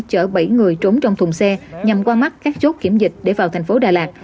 chở bảy người trốn trong thùng xe nhằm qua mắt các chốt kiểm dịch để vào thành phố đà lạt